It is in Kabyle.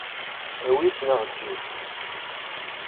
Awi-t neɣ eǧǧ-it.